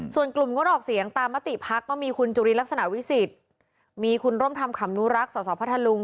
ส่วนกลุ่มงดออกเสียงตามมติพักก็มีคุณจุลินลักษณะวิสิทธิ์มีคุณร่มทำขำนุรักษ์สสพัทธลุง